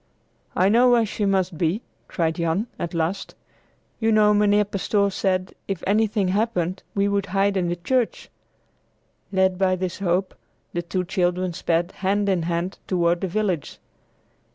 "I know where she must be," cried Jan, at last. "You know Mynheer Pastoor said, if anything happened, we should hide in the church." Led by this hope, the two children sped, hand in hand, toward the village.